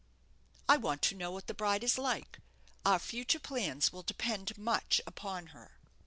"I want to know what the bride is like. Our future plans will depend much upon her."